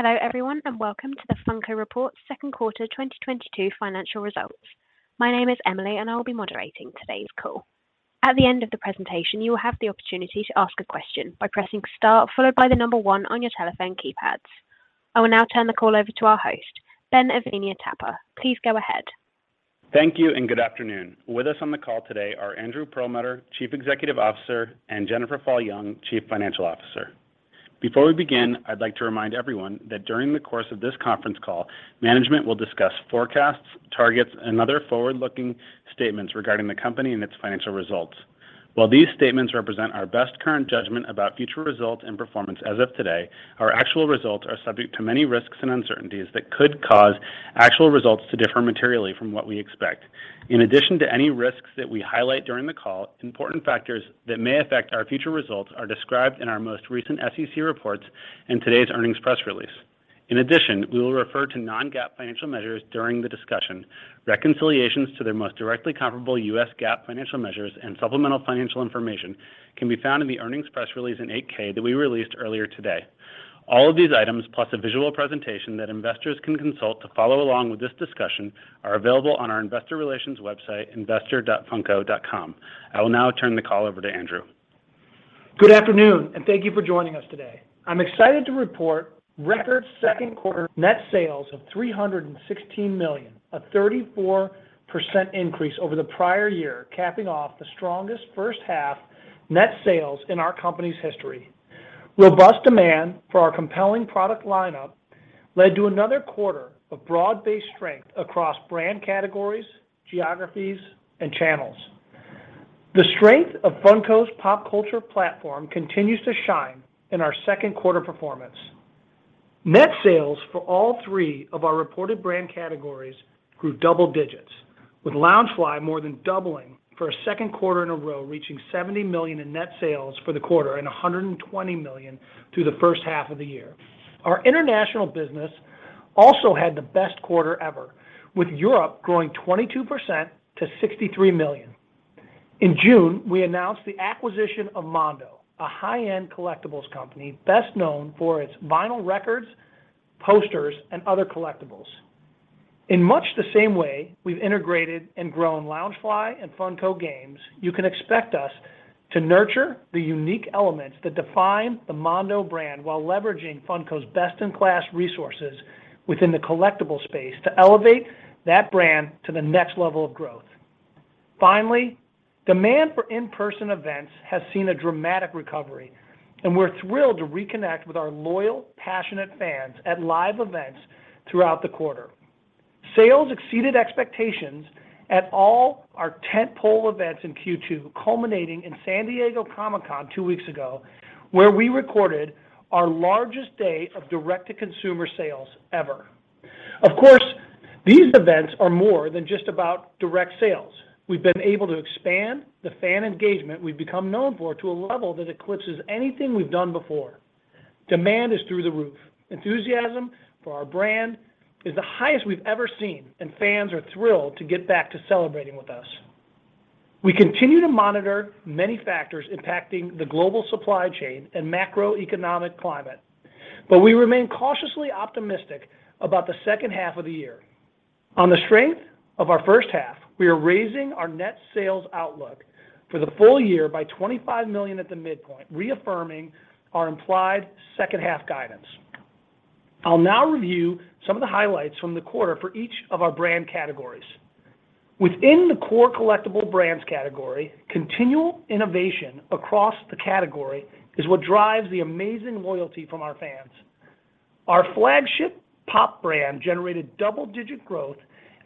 Hello everyone, and welcome to the Funko Report Q2 2022 financial results. My name is Emily and I will be moderating today's call. At the end of the presentation, you will have the opportunity to ask a question by pressing star followed by the number one on your telephone keypads. I will now turn the call over to our host, Ben Avenia-Tapper. Please go ahead. Thank you and good afternoon. With us on the call today are Andrew Perlmutter, Chief Executive Officer, and Jennifer Fall Jung, Chief Financial Officer. Before we begin, I'd like to remind everyone that during the course of this conference call, management will discuss forecasts, targets, and other forward-looking statements regarding the company and its financial results. While these statements represent our best current judgment about future results and performance as of today, our actual results are subject to many risks and uncertainties that could cause actual results to differ materially from what we expect. In addition to any risks that we highlight during the call, important factors that may affect our future results are described in our most recent SEC reports and today's earnings press release. In addition, we will refer to non-GAAP financial measures during the discussion. Reconciliations to their most directly comparable U.S. GAAP financial measures and supplemental financial information can be found in the earnings press release and 8-K that we released earlier today. All of these items, plus a visual presentation that investors can consult to follow along with this discussion, are available on our investor relations website, investor.funko.com. I will now turn the call over to Andrew. Good afternoon, and thank you for joining us today. I'm excited to report record second quarter net sales of $316 million, a 34% increase over the prior year, capping off the strongest first half net sales in our company's history. Robust demand for our compelling product lineup led to another quarter of broad-based strength across brand categories, geographies, and channels. The strength of Funko's pop culture platform continues to shine in our second quarter performance. Net sales for all three of our reported brand categories grew double digits, with Loungefly more than doubling for a second quarter in a row, reaching $70 million in net sales for the quarter and $120 million through the first half of the year. Our international business also had the best quarter ever, with Europe growing 22% to $63 million. In June, we announced the acquisition of Mondo, a high-end collectibles company best known for its vinyl records, posters, and other collectibles. In much the same way we've integrated and grown Loungefly and Funko Games, you can expect us to nurture the unique elements that define the Mondo brand while leveraging Funko's best-in-class resources within the collectible space to elevate that brand to the next level of growth. Finally, demand for in-person events has seen a dramatic recovery, and we're thrilled to reconnect with our loyal, passionate fans at live events throughout the quarter. Sales exceeded expectations at all our tentpole events in Q2, culminating in San Diego Comic-Con two weeks ago, where we recorded our largest day of direct-to-consumer sales ever. Of course, these events are more than just about direct sales. We've been able to expand the fan engagement we've become known for to a level that eclipses anything we've done before. Demand is through the roof. Enthusiasm for our brand is the highest we've ever seen, and fans are thrilled to get back to celebrating with us. We continue to monitor many factors impacting the global supply chain and macroeconomic climate, but we remain cautiously optimistic about the second half of the year. On the strength of our first half, we are raising our net sales outlook for the full year by $25 million at the midpoint, reaffirming our implied second half guidance. I'll now review some of the highlights from the quarter for each of our brand categories. Within the core collectible brands category, continual innovation across the category is what drives the amazing loyalty from our fans. Our flagship Pop brand generated double-digit growth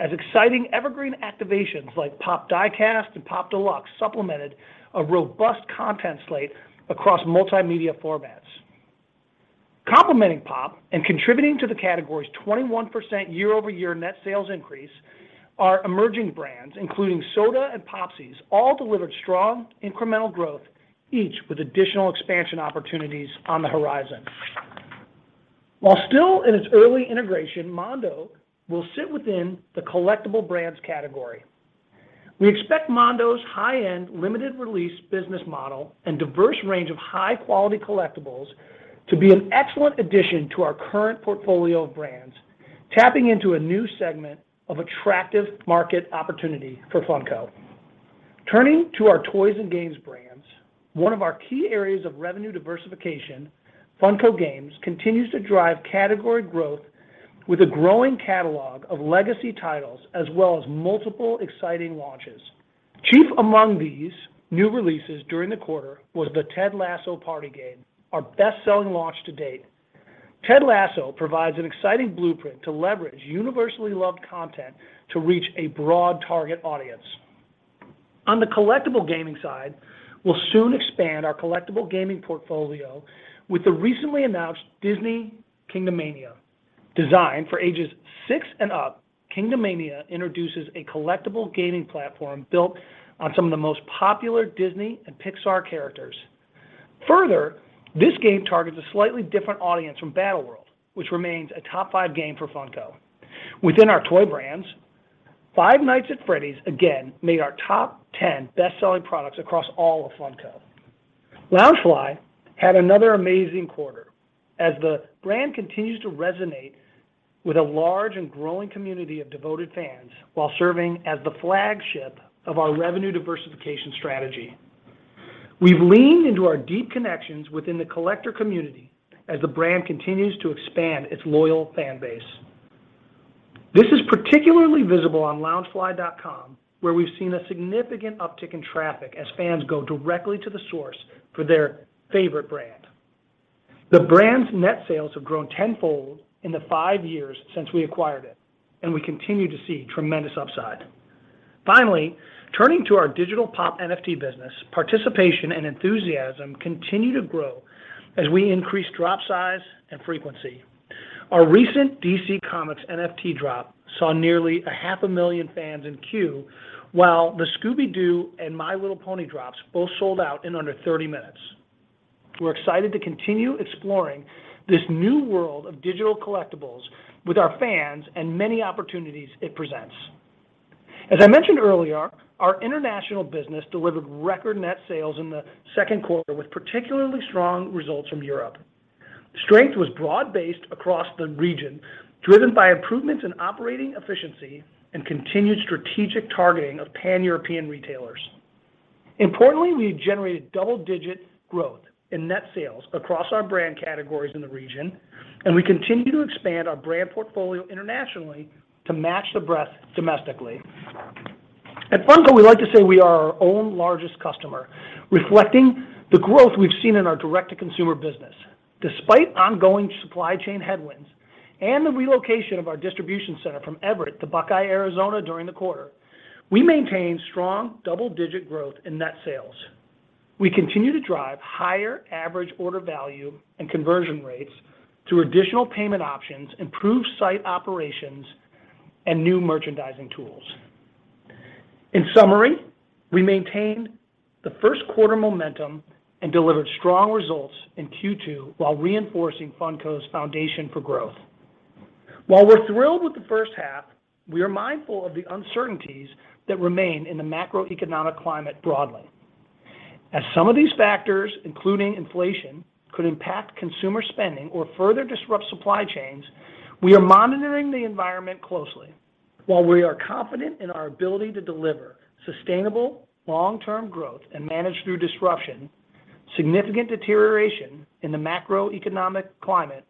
as exciting evergreen activations like Pop! Die-Cast and Pop! Deluxe supplemented a robust content slate across multimedia formats. Complementing Pop! and contributing to the category's 21% year-over-year net sales increase are emerging brands, including Soda and Popsies, all delivered strong incremental growth, each with additional expansion opportunities on the horizon. While still in its early integration, Mondo will sit within the collectible brands category. We expect Mondo's high-end limited release business model and diverse range of high-quality collectibles to be an excellent addition to our current portfolio of brands, tapping into a new segment of attractive market opportunity for Funko. Turning to our toys and games brands, one of our key areas of revenue diversification, Funko Games, continues to drive category growth with a growing catalog of legacy titles as well as multiple exciting launches. Chief among these new releases during the quarter was the Ted Lasso party game, our best-selling launch to date. Ted Lasso provides an exciting blueprint to leverage universally loved content to reach a broad target audience. On the collectible gaming side, we'll soon expand our collectible gaming portfolio with the recently announced Disney Kingdomania. Designed for ages six and up, Kingdomania introduces a collectible gaming platform built on some of the most popular Disney and Pixar characters. Further, this game targets a slightly different audience from Battleworld, which remains a top five game for Funko. Within our toy brands, Five Nights at Freddy's again made our top ten best-selling products across all of Funko. Loungefly had another amazing quarter as the brand continues to resonate with a large and growing community of devoted fans while serving as the flagship of our revenue diversification strategy. We've leaned into our deep connections within the collector community as the brand continues to expand its loyal fan base. This is particularly visible on Loungefly.com, where we've seen a significant uptick in traffic as fans go directly to the source for their favorite brand. The brand's net sales have grown tenfold in the five years since we acquired it, and we continue to see tremendous upside. Finally, turning to our digital pop NFT business, participation and enthusiasm continue to grow as we increase drop size and frequency. Our recent DC Comics NFT drop saw nearly 500,000 fans in queue, while the Scooby-Doo and My Little Pony drops both sold out in under 30 minutes. We're excited to continue exploring this new world of digital collectibles with our fans and many opportunities it presents. As I mentioned earlier, our international business delivered record net sales in the second quarter with particularly strong results from Europe. Strength was broad-based across the region, driven by improvements in operating efficiency and continued strategic targeting of Pan-European retailers. Importantly, we generated double-digit growth in net sales across our brand categories in the region, and we continue to expand our brand portfolio internationally to match the breadth domestically. At Funko, we like to say we are our own largest customer, reflecting the growth we've seen in our direct-to-consumer business. Despite ongoing supply chain headwinds and the relocation of our distribution center from Everett to Buckeye, Arizona during the quarter, we maintained strong double-digit growth in net sales. We continue to drive higher average order value and conversion rates through additional payment options, improved site operations, and new merchandising tools. In summary, we maintained the first quarter momentum and delivered strong results in Q2 while reinforcing Funko's foundation for growth. While we're thrilled with the first half, we are mindful of the uncertainties that remain in the macroeconomic climate broadly. As some of these factors, including inflation, could impact consumer spending or further disrupt supply chains, we are monitoring the environment closely. While we are confident in our ability to deliver sustainable long-term growth and manage through disruption, significant deterioration in the macroeconomic climate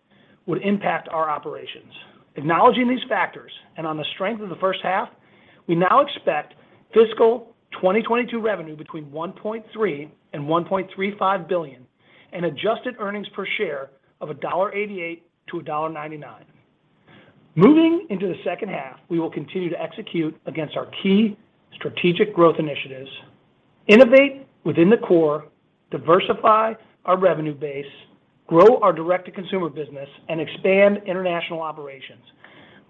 would impact our operations. Acknowledging these factors and on the strength of the first half, we now expect fiscal 2022 revenue between $1.3 billion and $1.35 billion and adjusted earnings per share of $1.88-$1.99. Moving into the second half, we will continue to execute against our key strategic growth initiatives, innovate within the core, diversify our revenue base, grow our direct-to-consumer business, and expand international operations.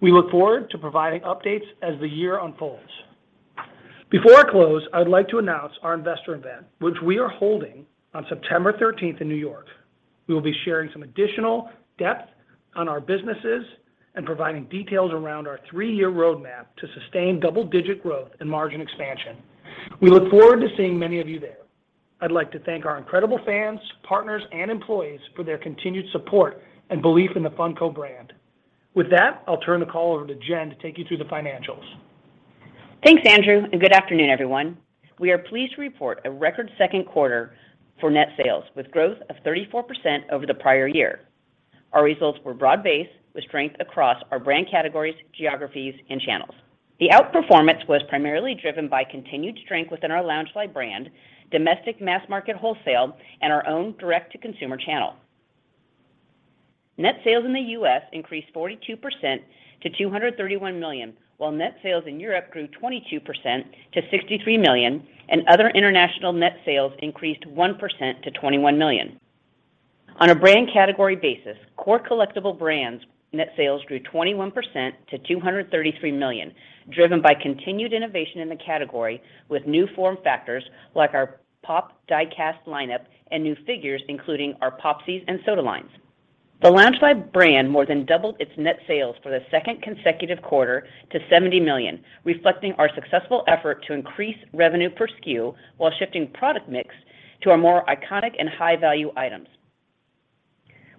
We look forward to providing updates as the year unfolds. Before I close, I'd like to announce our investor event, which we are holding on September thirteenth in New York. We will be sharing some additional depth on our businesses and providing details around our three-year roadmap to sustain double-digit growth and margin expansion. We look forward to seeing many of you there. I'd like to thank our incredible fans, partners, and employees for their continued support and belief in the Funko brand. With that, I'll turn the call over to Jen to take you through the financials. Thanks, Andrew, and good afternoon, everyone. We are pleased to report a record second quarter for net sales with growth of 34% over the prior year. Our results were broad-based with strength across our brand categories, geographies, and channels. The outperformance was primarily driven by continued strength within our Loungefly brand, domestic mass market wholesale, and our own direct-to-consumer channel. Net sales in the U.S. increased 42% to $231 million, while net sales in Europe grew 22% to $63 million, and other international net sales increased 1% to $21 million. On a brand category basis, core collectible brands net sales grew 21% to $233 million, driven by continued innovation in the category with new form factors like our Pop! Die-Cast lineup and new figures, including our Popsies and Vinyl Soda. The Loungefly brand more than doubled its net sales for the second consecutive quarter to $70 million, reflecting our successful effort to increase revenue per SKU while shifting product mix to our more iconic and high-value items.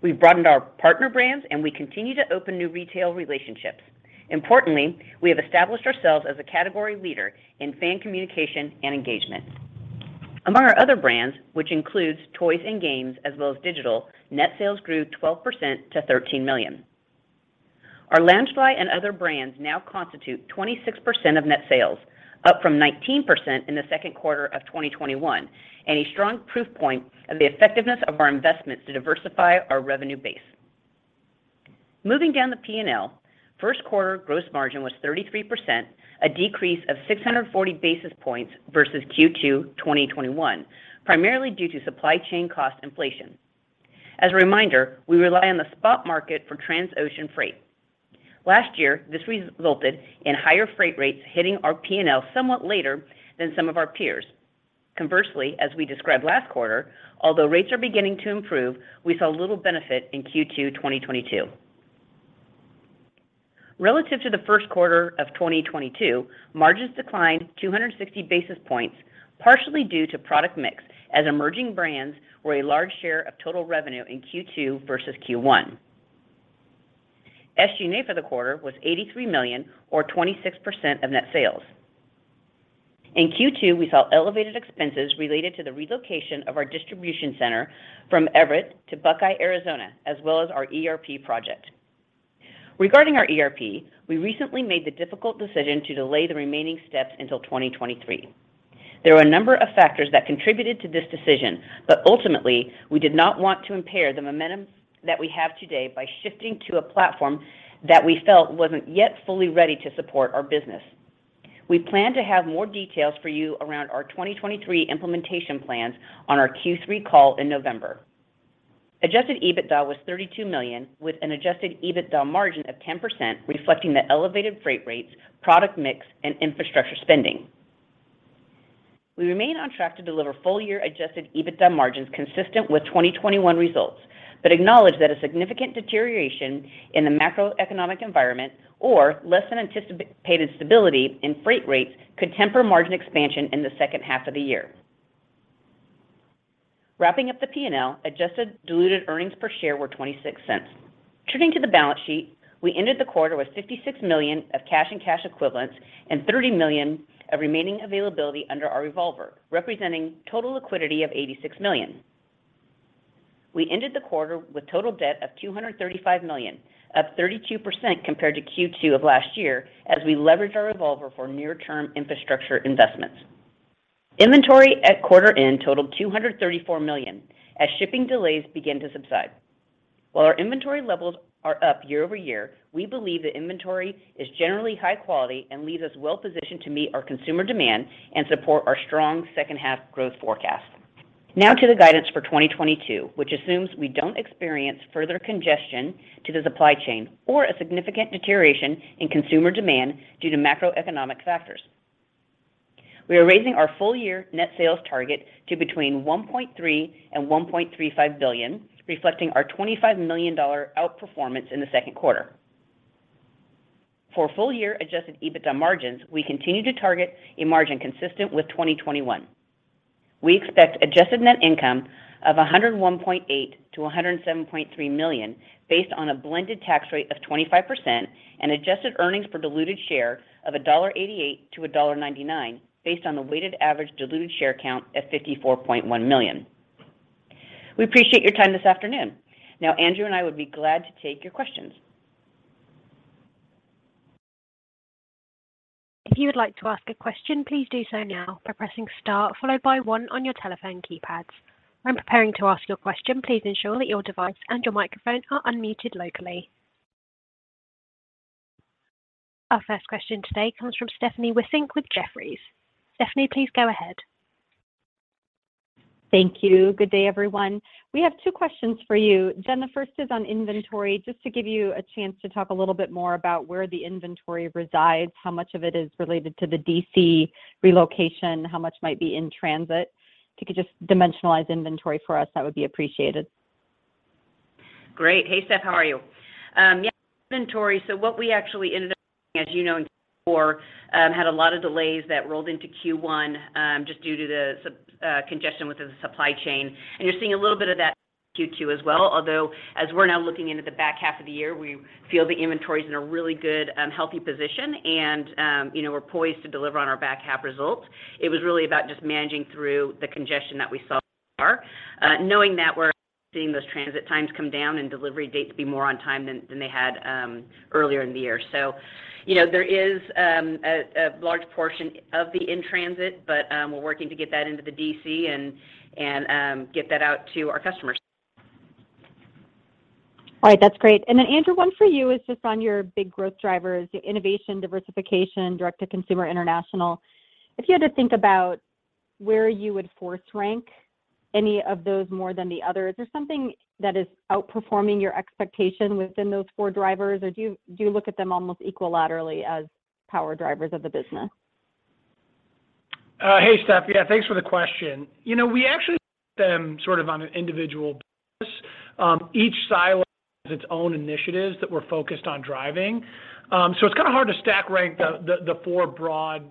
We've broadened our partner brands, and we continue to open new retail relationships. Importantly, we have established ourselves as a category leader in fan communication and engagement. Among our other brands, which includes toys and games as well as digital, net sales grew 12% to $13 million. Our Loungefly and other brands now constitute 26% of net sales, up from 19% in the second quarter of 2021 and a strong proof point of the effectiveness of our investments to diversify our revenue base. Moving down the P&L, first quarter gross margin was 33%, a decrease of 640 basis points versus Q2 2021, primarily due to supply chain cost inflation. As a reminder, we rely on the spot market for transocean freight. Last year, this resulted in higher freight rates hitting our P&L somewhat later than some of our peers. Conversely, as we described last quarter, although rates are beginning to improve, we saw little benefit in Q2 2022. Relative to the first quarter of 2022, margins declined 260 basis points, partially due to product mix, as emerging brands were a large share of total revenue in Q2 versus Q1. SG&A for the quarter was $83 million, or 26% of net sales. In Q2, we saw elevated expenses related to the relocation of our distribution center from Everett to Buckeye, Arizona, as well as our ERP project. Regarding our ERP, we recently made the difficult decision to delay the remaining steps until 2023. There were a number of factors that contributed to this decision, but ultimately, we did not want to impair the momentum that we have today by shifting to a platform that we felt wasn't yet fully ready to support our business. We plan to have more details for you around our 2023 implementation plans on our Q3 call in November. Adjusted EBITDA was $32 million, with an adjusted EBITDA margin of 10%, reflecting the elevated freight rates, product mix, and infrastructure spending. We remain on track to deliver full-year adjusted EBITDA margins consistent with 2021 results, but acknowledge that a significant deterioration in the macroeconomic environment or less than anticipated stability in freight rates could temper margin expansion in the second half of the year. Wrapping up the P&L, adjusted diluted earnings per share were $0.26. Turning to the balance sheet, we ended the quarter with $56 million of cash and cash equivalents and $30 million of remaining availability under our revolver, representing total liquidity of $86 million. We ended the quarter with total debt of $235 million, up 32% compared to Q2 of last year as we leveraged our revolver for near-term infrastructure investments. Inventory at quarter end totaled $234 million as shipping delays begin to subside. While our inventory levels are up year-over-year, we believe the inventory is generally high quality and leaves us well positioned to meet our consumer demand and support our strong second half growth forecast. Now to the guidance for 2022, which assumes we don't experience further congestion to the supply chain or a significant deterioration in consumer demand due to macroeconomic factors. We are raising our full year net sales target to between $1.3 billion-$1.35 billion, reflecting our $25 million outperformance in the second quarter. For full year adjusted EBITDA margins, we continue to target a margin consistent with 2021. We expect adjusted net income of $101.8 million-$107.3 million based on a blended tax rate of 25% and adjusted earnings per diluted share of $1.88-$1.99 based on the weighted average diluted share count at 54.1 million. We appreciate your time this afternoon. Now, Andrew and I would be glad to take your questions. If you would like to ask a question, please do so now by pressing star followed by one on your telephone keypads. When preparing to ask your question, please ensure that your device and your microphone are unmuted locally. Our first question today comes from Stephanie Wissink with Jefferies. Stephanie, please go ahead. Thank you. Good day, everyone. We have two questions for you. Jen, the first is on inventory, just to give you a chance to talk a little bit more about where the inventory resides, how much of it is related to the DC relocation, how much might be in transit. If you could just dimensionalize inventory for us, that would be appreciated. Great. Hey, Steph, how are you? Yeah, inventory. What we actually ended up doing, as you know in Q4, had a lot of delays that rolled into Q1, just due to the congestion with the supply chain. You're seeing a little bit of that in Q2 as well. Although, as we're now looking into the back half of the year, we feel the inventory is in a really good healthy position, and you know, we're poised to deliver on our back half results. It was really about just managing through the congestion that we saw so far. Knowing that we're seeing those transit times come down and delivery dates be more on time than they had earlier in the year. You know, there is a large portion of the in-transit, but we're working to get that into the DC and get that out to our customers. All right, that's great. Andrew, one for you is just on your big growth drivers, your innovation, diversification, direct-to-consumer, international. If you had to think about where you would force rank any of those more than the others, is there something that is outperforming your expectation within those four drivers? Or do you, do you look at them almost equal laterally as power drivers of the business? Hey, Steph. Yeah, thanks for the question. You know, we actually look at them sort of on an individual basis. Each silo has its own initiatives that we're focused on driving. So it's kind of hard to stack rank the four broad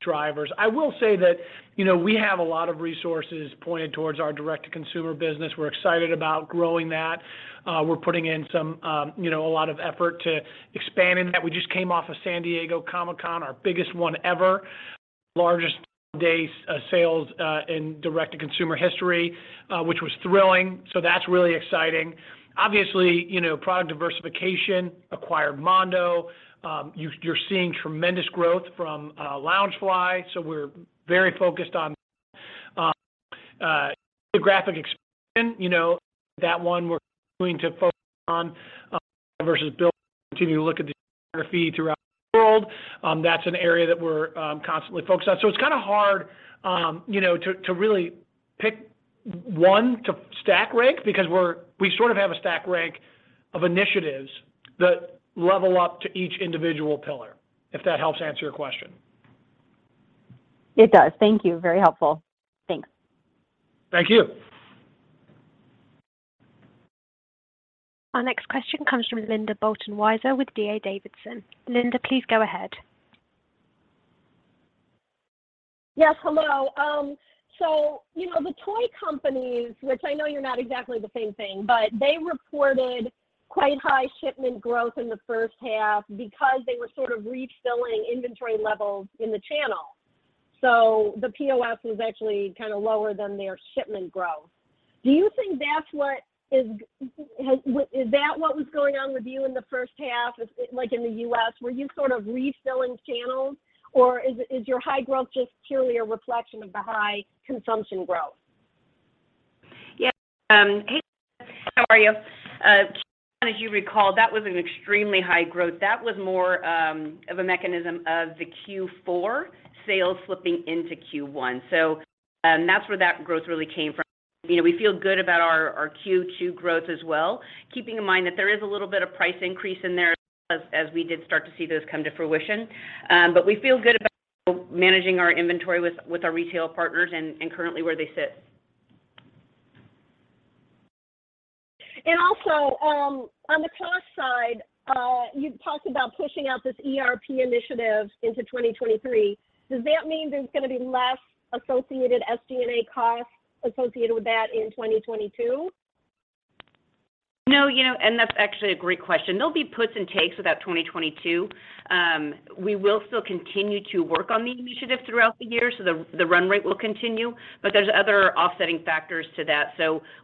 drivers. I will say that, you know, we have a lot of resources pointed towards our direct-to-consumer business. We're excited about growing that. We're putting in some, you know, a lot of effort to expanding that. We just came off of San Diego Comic-Con, our biggest one ever, largest all-day sales in direct-to-consumer history, which was thrilling. That's really exciting. Obviously, you know, product diversification, acquired Mondo. You're seeing tremendous growth from Loungefly, so we're very focused on that. Geographic expansion, you know that one we're going to focus on versus building continue to look at the geography throughout the world. That's an area that we're constantly focused on. It's kind of hard, you know, to really pick one to stack rank because we sort of have a stack rank of initiatives. The level up to each individual pillar, if that helps answer your question. It does. Thank you very helpful. Thanks. Thank you. Our next question comes from Linda Bolton Weiser with D.A. Davidson. Linda, please go ahead. Yes. Hello. You know, the toy companies, which I know you're not exactly the same thing, but they reported quite high shipment growth in the first half because they were sort of refilling inventory levels in the channel. The POS was actually kind of lower than their shipment growth. Do you think that's what was going on with you in the first half, like in the U.S.? Were you sort of refilling channels, or is your high growth just purely a reflection of the high consumption growth? Yeah. Hey, Linda. How are you? As you recall, that was an extremely high growth. That was more of a mechanism of the Q4 sales flipping into Q1. That's where that growth really came from. You know, we feel good about our Q2 growth as well, keeping in mind that there is a little bit of price increase in there as we did start to see those come to fruition. We feel good about managing our inventory with our retail partners and currently where they sit. On the cost side, you talked about pushing out this ERP initiative into 2023. Does that mean there's gonna be less associated SG&A costs with that in 2022? No, you know, that's actually a great question. There'll be puts and takes with that 2022. We will still continue to work on the initiative throughout the year, the run rate will continue. There's other offsetting factors to that.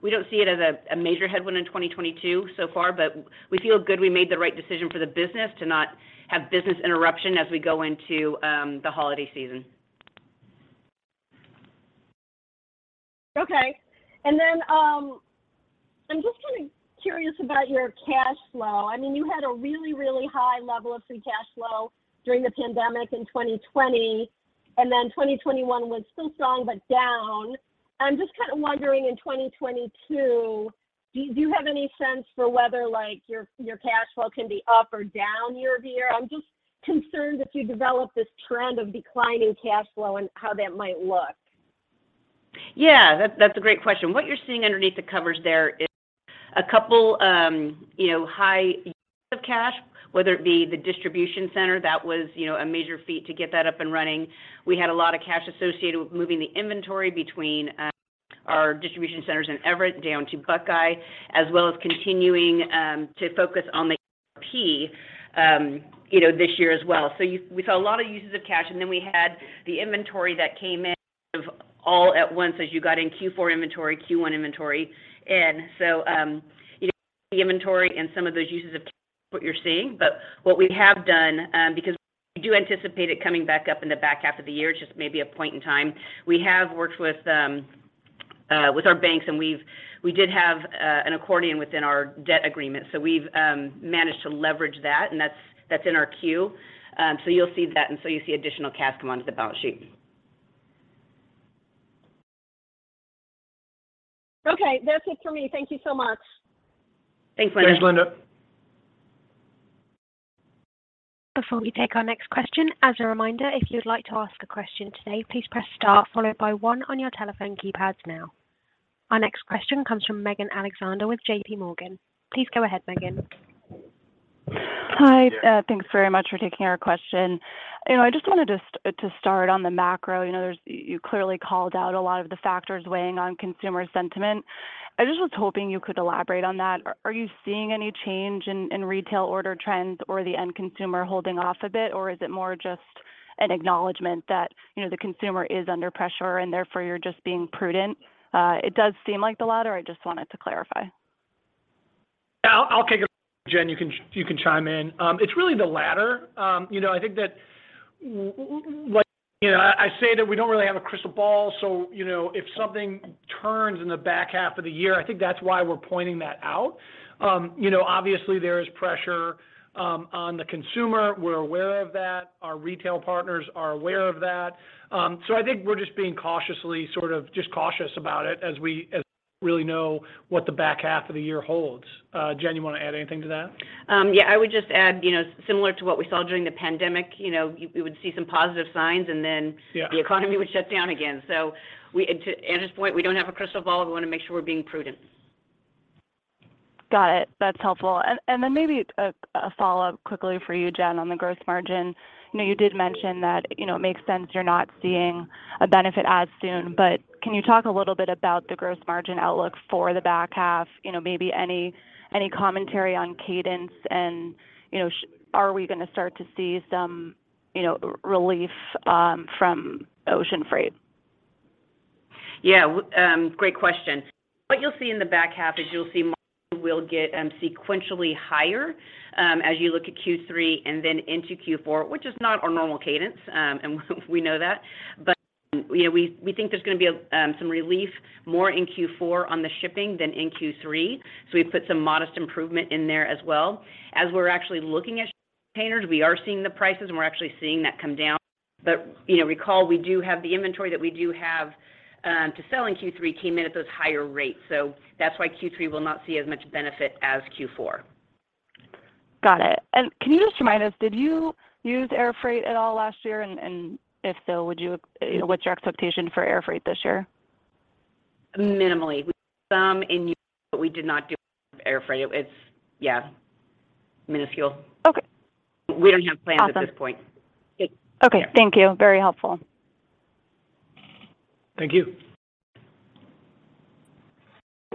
We don't see it as a major headwind in 2022 so far, but we feel good we made the right decision for the business to not have business interruption as we go into the holiday season. Okay. I'm just kind of curious about your cash flow. I mean, you had a really, really high level of free cash flow during the pandemic in 2020, and then 2021 was still strong, but down. I'm just kind of wondering in 2022, do you have any sense for whether, like, your cash flow can be up or down year over year? I'm just concerned if you develop this trend of declining cash flow and how that might look. Yeah. That's a great question. What you're seeing underneath the covers there is a couple high use of cash, whether it be the distribution center that was a major feat to get that up and running. We had a lot of cash associated with moving the inventory between our distribution centers in Everett down to Buckeye, as well as continuing to focus on the P&L this year as well. We saw a lot of uses of cash, and then we had the inventory that came in all at once as you got in Q4 inventory, Q1 inventory. The inventory and some of those uses of cash is what you're seeing. What we have done, because we do anticipate it coming back up in the back half of the year, just maybe a point in time. We have worked with our banks, and we did have an accordion within our debt agreement. We've managed to leverage that, and that's in our queue. You'll see that, and you'll see additional cash come onto the balance sheet. Okay. That's it for me. Thank you so much. Thanks, Linda. Thanks, Linda. Before we take our next question, as a reminder, if you would like to ask a question today, please press star followed by one on your telephone keypads now. Our next question comes from Megan Alexander with J.P. Morgan. Please go ahead, Megan. Hi. Thanks very much for taking our question. You know, I just wanted to start on the macro. You know, you clearly called out a lot of the factors weighing on consumer sentiment. I just was hoping you could elaborate on that. Are you seeing any change in retail order trends or the end consumer holding off a bit? Or is it more just an acknowledgment that, you know, the consumer is under pressure and therefore you're just being prudent? It does seem like the latter. I just wanted to clarify. I'll take it, Jen. You can chime in. It's really the latter. You know, I think that like, you know, I say that we don't really have a crystal ball. So, you know, if something turns in the back half of the year, I think that's why we're pointing that out. You know, obviously, there is pressure on the consumer. We're aware of that. Our retail partners are aware of that. So I think we're just being cautiously, sort of just cautious about it as we don't really know what the back half of the year holds. Jen, you wanna add anything to that? Yeah, I would just add, you know, similar to what we saw during the pandemic, you know, we would see some positive signs, and then. Yeah. The economy would shut down again. To Andrew's point, we don't have a crystal ball. We wanna make sure we're being prudent. Got it. That's helpful. Maybe a follow-up quickly for you, Jen, on the gross margin. You know, you did mention that, you know, it makes sense you're not seeing a benefit as soon, but can you talk a little bit about the gross margin outlook for the back half? You know, maybe any commentary on cadence and, you know, are we gonna start to see some, you know, relief from ocean freight? Yeah. Great question. What you'll see in the back half is you'll see margin will get sequentially higher as you look at Q3 and then into Q4, which is not our normal cadence, and we know that. You know, we think there's gonna be some relief more in Q4 on the shipping than in Q3, so we put some modest improvement in there as well. As we're actually looking at containers, we are seeing the prices, and we're actually seeing that come down. You know, recall we do have the inventory that we do have to sell in Q3 came in at those higher rates. That's why Q3 will not see as much benefit as Q4. Got it. Can you just remind us, did you use air freight at all last year? If so, would you know, what's your expectation for air freight this year? Minimally. We did some in years, but we did not do air freight. It's yeah. Minuscule. Okay. We don't have plans at this point. Awesome. It- Okay. Thank you. Very helpful. Thank you.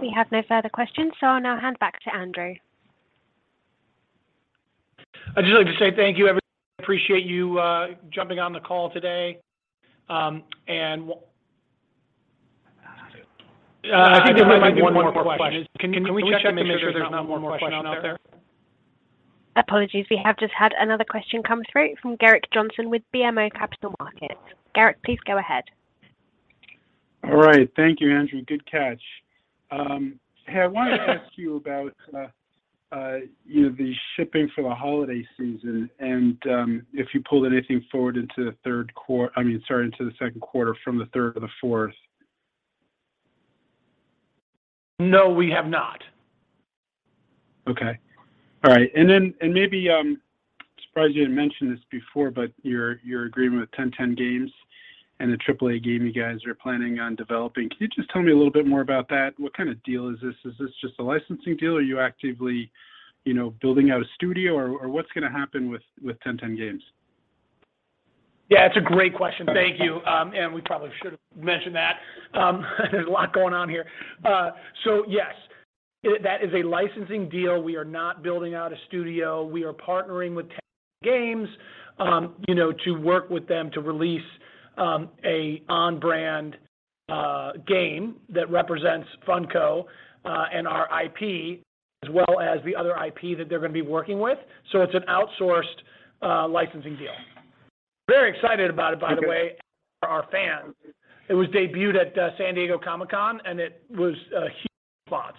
We have no further questions, so I'll now hand back to Andrew. I'd just like to say thank you, everyone. I appreciate you jumping on the call today. I think there might be one more question. I think there might be one more question. Can we check to make sure there's not one more question out there? Apologies. We have just had another question come through from Gerrick Johnson with BMO Capital Markets. Gerrick, please go ahead. All right. Thank you, Andrew. Good catch. Hey, I wanted to ask you about, you know, the shipping for the holiday season and, I mean, sorry, if you pulled anything forward into the second quarter from the third to the fourth. No, we have not. Okay. All right. Maybe surprised you didn't mention this before, but your agreement with 10:10 Games and the AAA game you guys are planning on developing. Can you just tell me a little bit more about that? What kinda deal is this? Is this just a licensing deal? Are you actively, you know, building out a studio? Or what's gonna happen with 10:10 Games? Yeah, it's a great question. Thank you. We probably should've mentioned that. There's a lot going on here. Yes, that is a licensing deal. We are not building out a studio. We are partnering with 10:10 Games, you know, to work with them to release an on-brand game that represents Funko and our IP, as well as the other IP that they're gonna be working with. It's an outsourced licensing deal. Very excited about it, by the way. Okay... our fans. It was debuted at San Diego Comic-Con, and it was a huge applause.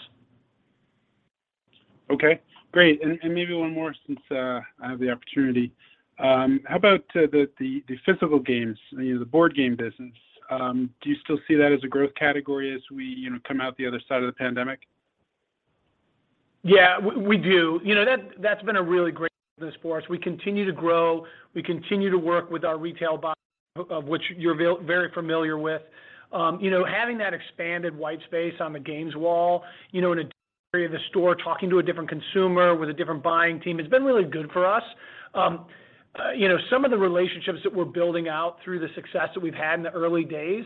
Okay, great. Maybe one more since I have the opportunity. How about the physical games, you know, the board game business? Do you still see that as a growth category as we, you know, come out the other side of the pandemic? Yeah, we do. You know, that's been a really great business for us. We continue to grow. We continue to work with our retail buyers, of which you're very familiar with. You know, having that expanded white space on the games wall, you know, in a different area of the store, talking to a different consumer with a different buying team, it's been really good for us. You know, some of the relationships that we're building out through the success that we've had in the early days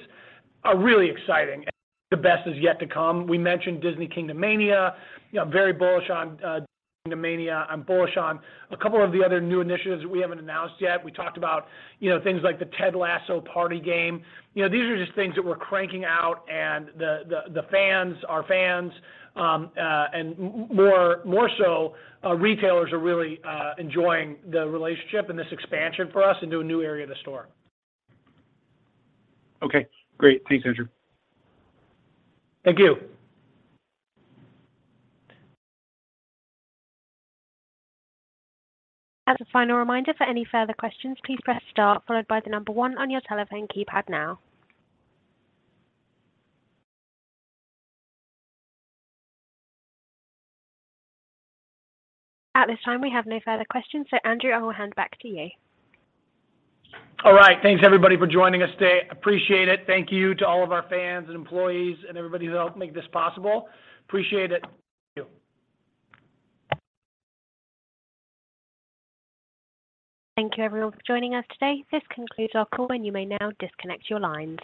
are really exciting. The best is yet to come. We mentioned Disney Kingdomania. You know, I'm very bullish on Kingdomania. I'm bullish on a couple of the other new initiatives that we haven't announced yet. We talked about, you know, things like the Ted Lasso party game. You know, these are just things that we're cranking out and the fans, our fans, and more so retailers are really enjoying the relationship and this expansion for us into a new area of the store. Okay, great. Thanks, Andrew. Thank you. As a final reminder, for any further questions, please press star followed by the number one on your telephone keypad now. At this time, we have no further questions, so Andrew, I will hand back to you. All right. Thanks everybody for joining us today. Appreciate it. Thank you to all of our fans and employees and everybody who helped make this possible. Appreciate it. Thank you. Thank you everyone for joining us today. This concludes our call, and you may now disconnect your lines.